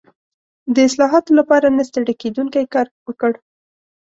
د اصلاحاتو لپاره نه ستړی کېدونکی کار وکړ.